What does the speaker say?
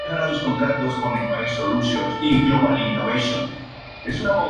Sus padres fueron Aurelio Fernández Concha y Victoria Masías García.